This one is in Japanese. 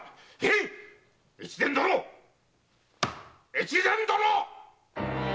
越前殿‼